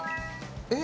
えっ？